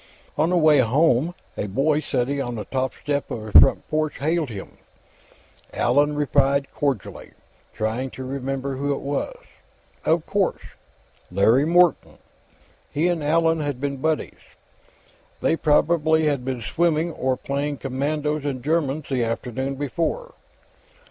On the way home, a boy, sitting on the top step of a front porch, hailed him. Allan replied cordially, trying to remember who it was. Of course; Larry Morton! He and Allan had been buddies. They probably had been swimming, or playing Commandos and Germans, the afternoon before.